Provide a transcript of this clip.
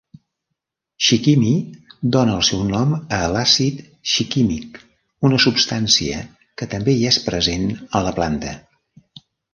"Shikimi" dona el seu nom a l"àcid shikímic, una substància que també hi és present a la planta.